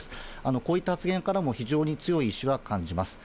こういった発言からも、非常に強い意思は感じます。